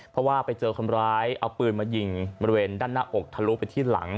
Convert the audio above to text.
เพราะว่าไปเจอคนร้ายเอาปืนมายิงบริเวณด้านหน้าอกทะลุไปที่หลัง